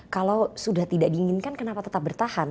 kalau sudah tidak diinginkan kenapa tetap bertahan